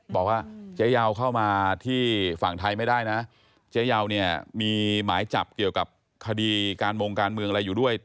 บอกว่าเจ๊ยาวเข้ามาที่ฝั่งไทยไม่ได้นะเจ๊ยาวเนี่ยมีหมายจับเกี่ยวกับคดีการมงการเมืองอะไรอยู่ด้วย